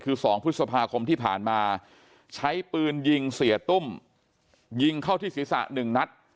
คือ๒พฤษภาคมที่ผ่านมาใช้ปืนยิงเสียตุ้มยิงเข้าที่ศีรษะ๑นัด